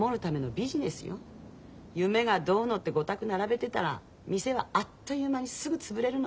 夢がどうのって御託並べてたら店はあっという間にすぐ潰れるの。